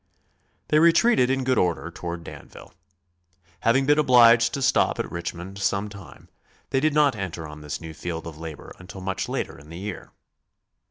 They retreated in good order toward Danville. Having been obliged to stop at Richmond some time they did not enter on this new field of labor until much later in the year.